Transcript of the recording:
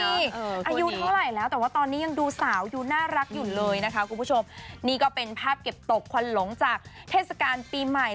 อายุเท่าไหร่แล้วแต่ว่าตอนนี้ยังดูสาวดูน่ารักอยู่เลยนะคะคุณผู้ชมนี่ก็เป็นภาพเก็บตกควันหลงจากเทศกาลปีใหม่